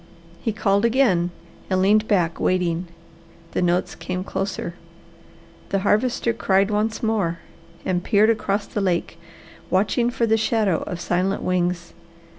He called again and leaned back waiting. The notes came closer. The Harvester cried once more and peered across the lake, watching for the shadow of silent wings.